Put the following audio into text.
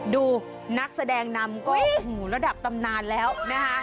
ดูนักแสดงนำก็ระดับตำนานแล้วนะคะ